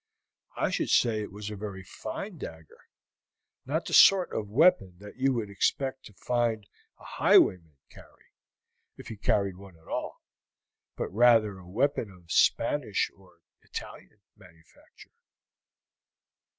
"I should say it was a very fine dagger; not the sort of weapon that you would expect to find a highwayman carry, if he carried one at all, but rather a weapon of Spanish or Italian manufacture."